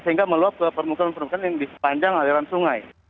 sehingga meluap ke permukaan permukaan yang di sepanjang aliran sungai